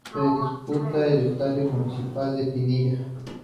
Se disputa en el Estadio Municipal de Pinilla.